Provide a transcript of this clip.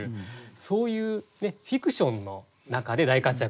そういうフィクションの中で大活躍する。